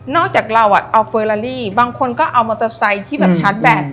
จากเราอ่ะเอาเฟอร์ลาลีบางคนก็เอามอเตอร์ไซค์ที่แบบชาร์จแบต